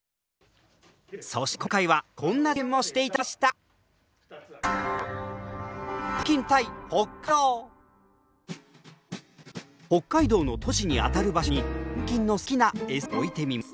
そして今回はこんな実験もしていただきました北海道の都市にあたる場所に粘菌の好きなエサを置いてみます。